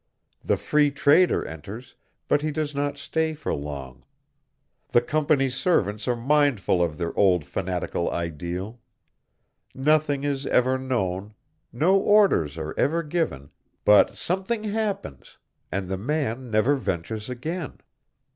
The Free Trader enters, but he does not stay for long. The Company's servants are mindful of their old fanatical ideal. Nothing is ever known, no orders are ever given, but something happens, and the man never ventures again.